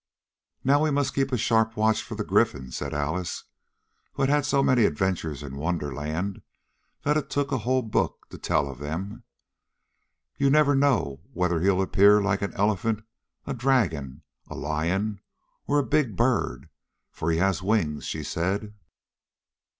"Now we must keep a sharp watch for the Gryphon," said Alice, who had had so many adventures in Wonderland that it took a whole book to tell of them. "You never know whether he'll appear like an elephant, a dragon, a lion or a big bird, for he has wings," she said.